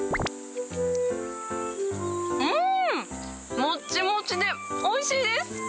うーん、もちもちでおいしいです。